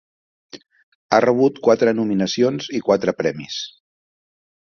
Ha rebut quatre nominacions i quatre premis.